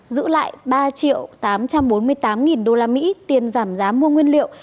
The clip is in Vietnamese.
giữ lại ba triệu tám trăm bốn mươi tám usd tiền giảm giá mua nguyên liệu